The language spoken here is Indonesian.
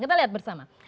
kita lihat bersama